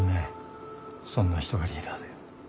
そんな人がリーダーで。